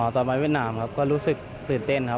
ตอนมาเวียดนามครับก็รู้สึกตื่นเต้นครับ